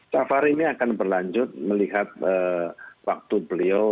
safari ini akan berlanjut melihat waktu beliau